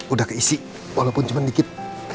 udah keisi walaupun cuma dikit